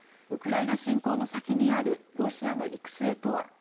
ウクライナ侵攻の先にあるロシアの行く末とは。